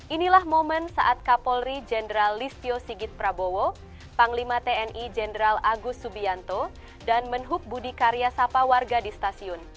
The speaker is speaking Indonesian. inilah momen saat kapolri jenderal listio sigit prabowo panglima tni jenderal agus subianto dan menhub budi karya sapa warga di stasiun